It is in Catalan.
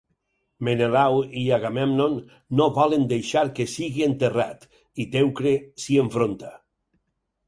Menelau i Agamèmnon no volen deixar que sigui enterrat, i Teucre s'hi enfronta.